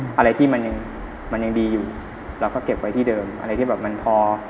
อะไรที่มันยังมันยังดีอยู่เราก็เก็บไว้ที่เดิมอะไรที่แบบมันพอ